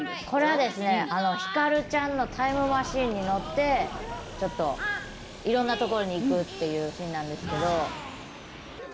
これはヒカルちゃんのタイムマシンに乗っていろんなところに行くっていうシーンなんですけど。